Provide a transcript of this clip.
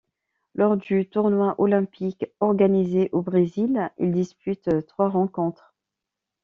Lors du tournoi olympique organisé au Brésil, il dispute trois rencontres.